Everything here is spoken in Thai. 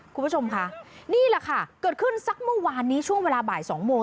คุณผู้ชมค่ะนี่แหละค่ะเกิดขึ้นสักเมื่อวานนี้ช่วงเวลาบ่าย๒โมง